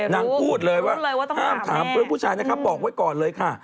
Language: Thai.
นางพูดเลยว่าห้ามถามเพื่อนผู้ชายนะครับบอกไว้ก่อนเลยค่ะ